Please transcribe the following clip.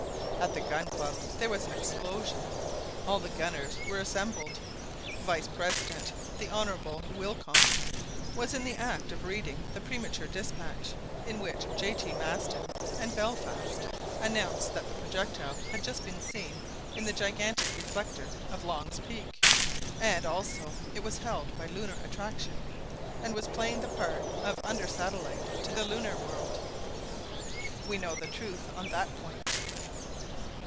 At the Gun Club there was an explosion. All the gunners were assembled. Vice President the Hon. Wilcome was in the act of reading the premature dispatch, in which J. T. Maston and Belfast announced that the projectile had just been seen in the gigantic reflector of Long's Peak, and also that it was held by lunar attraction, and was playing the part of under satellite to the lunar world. We know the truth on that point.